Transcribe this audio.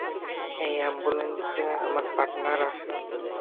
ওই অ্যাম্বুলেন্সে আমার পার্টনার আছে।